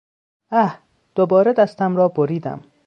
اه، دوباره دستم را بریدم!